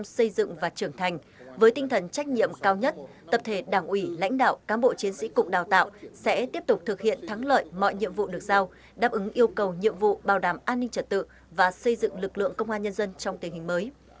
xây dựng và trưởng thành với tinh thần trách nhiệm cao nhất tập thể đảng ủy lãnh đạo cán bộ chiến sĩ cục đào tạo sẽ tiếp tục thực hiện thắng lợi mọi nhiệm vụ được giao đáp ứng yêu cầu nhiệm vụ bảo đảm an ninh trật tự và xây dựng lực lượng công an nhân dân trong tình hình mới